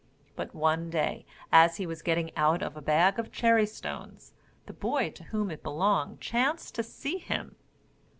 But one day as he was getting out of a bag of cherry stones, the boy to whom it belonged chanced to see him.